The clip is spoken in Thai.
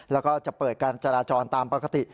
แล้วก็จะเปิดการจราจรตามปกติ